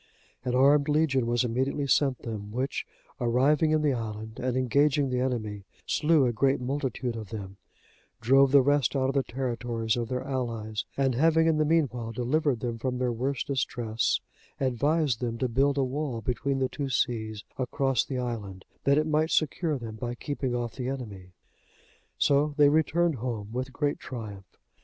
An armed legion was immediately sent them, which, arriving in the island, and engaging the enemy, slew a great multitude of them, drove the rest out of the territories of their allies, and having in the meanwhile delivered them from their worst distress, advised them to build a wall between the two seas across the island, that it might secure them by keeping off the enemy. So they returned home with great triumph.